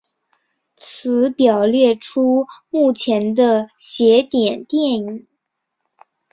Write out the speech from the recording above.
此表列出目前的邪典电影。